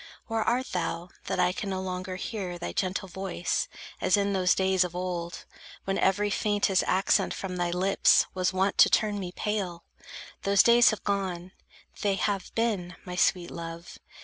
Where art thou, that I can no longer hear Thy gentle voice, as in those days of old, When every faintest accent from thy lips Was wont to turn me pale? Those days have gone. They have been, my sweet love!